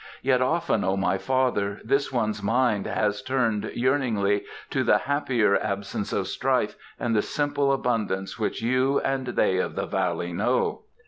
Yet often, O my father, this one's mind has turned yearningly to the happier absence of strife and the simple abundance which you and they of the valley know."